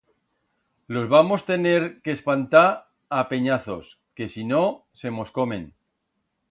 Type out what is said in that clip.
Los vamos tener que espantar a penyazos que, si no, se mos comen.